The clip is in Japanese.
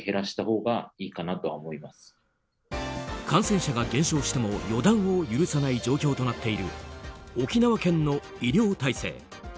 感染者が減少しても予断を許さない状況となっている沖縄県の医療体制。